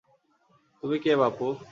তুমি কে বাপু?